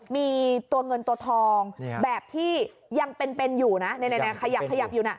มีตัวเงินตัวทองแบบที่ยังเป็นอยู่ขยับอยู่